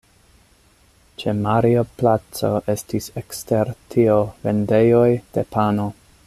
Ĉe Mario-placo estis ekster tio vendejoj de pano.